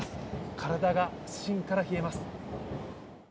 体が芯から冷えます。